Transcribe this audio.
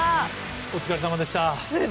お疲れさまでした。